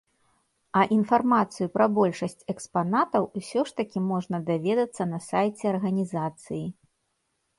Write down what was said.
А інфармацыю пра большасць экспанатаў усё ж такі можна даведацца на сайце арганізацыі.